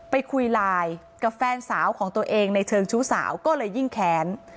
ไปคุยไลน์กับแฟนสาวของตัวเองในเชิงชู้สาวก็เลยยิ่งแค้น